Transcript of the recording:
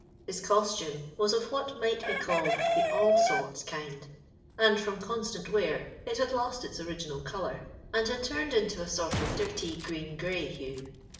His costumo was of what might be called <• the all sorts" kind, and, from constant wear, it had lost its original colour, and had turned into a sort of dirty green ^grey hue.